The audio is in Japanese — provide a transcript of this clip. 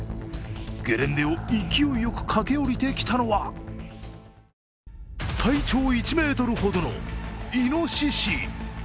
ゲレンデを勢いよい駆け下りてきたのは、体長１ｍほどのイノシシ。